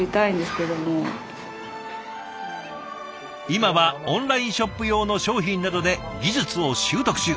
今はオンラインショップ用の商品などで技術を習得中。